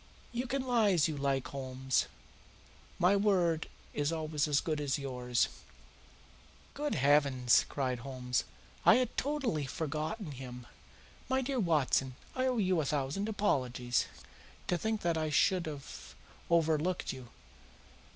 You can lie as you like, Holmes. My word is always as good as yours." "Good heavens!" cried Holmes. "I had totally forgotten him. My dear Watson, I owe you a thousand apologies. To think that I should have overlooked you!